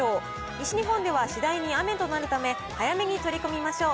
西日本では次第に雨となるため、早めに取り込みましょう。